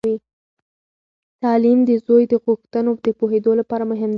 تعلیم د زوی د غوښتنو د پوهیدو لپاره مهم دی.